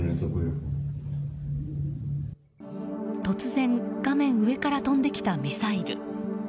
突然、画面上から飛んできたミサイル。